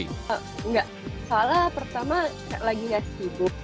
enggak salah pertama lagi ngasih buk